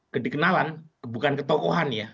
ketikenalan bukan ketokohan ya